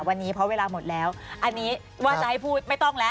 วันนี้เพราะเวลาหมดแล้วอันนี้ว่าจะให้พูดไม่ต้องแล้ว